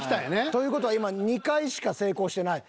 という事は今２回しか成功してない。